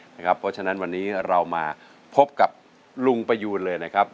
เพราะฉะนั้นวันนี้เรามาพบกับลุงประยูนเลยนะครับ